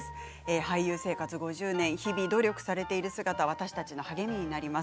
俳優生活５０年日々努力されている姿は私たちの励みになります。